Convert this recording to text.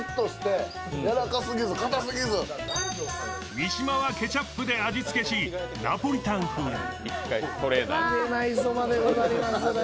三島はケチャップで味付けしナポリタン風に。